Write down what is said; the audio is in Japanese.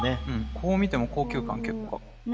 こう見ても高級感結構あるな。